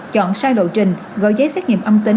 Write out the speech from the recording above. chọn sai lộ trình gọi giấy xét nghiệm âm tính